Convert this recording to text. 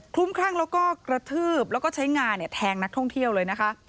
ลุ้มคลั่งแล้วก็กระทืบแล้วก็ใช้งาเนี่ยแทงนักท่องเที่ยวเลยนะคะ